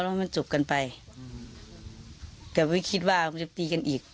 แล้วมันจบกันไปอืมแต่ไม่คิดว่ามันจะตีกันอีก